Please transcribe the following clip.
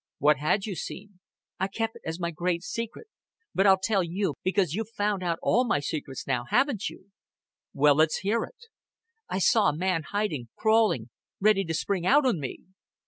"What had you seen?" "I kep' it as my great secret but I'll tell you, because you've found out all my secrets, now, haven't you?" "Well, let's hear it." "I saw a man hiding, crawling, ready to spring out on me."